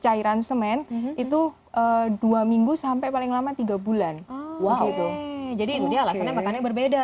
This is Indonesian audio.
cairan semen itu dua minggu sampai paling lama tiga bulan wah itu jadi alasannya makannya berbeda